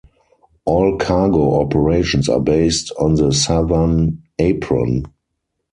All cargo operations are based on the southern apron.